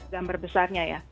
gambar besarnya ya